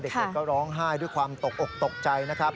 เด็กก็ร้องไห้ด้วยความตกอกตกใจนะครับ